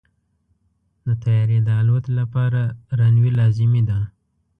د طیارې د الوت لپاره رنوی لازمي دی.